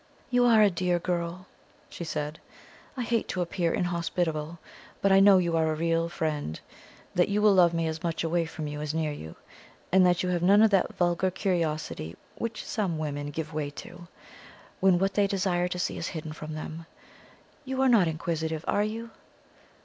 "You are a dear girl," she said; "I hate to appear inhospitable, but I know you are a real friend that you will love me as much away from you as near you, and that you have none of that vulgar curiosity which some women give way to, when what they desire to see is hidden from them. You are not inquisitive, are you?"